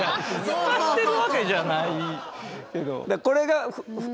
スカしてるわけじゃないけど。